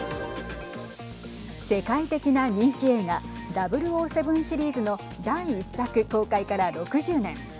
世界的な人気映画００７シリーズの第１作公開から６０年。